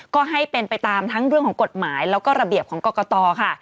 ก็ให้เป็นไปตามทั้งเรื่องของกฎหมายแล้วก็ระเบียบของกรกตค่ะ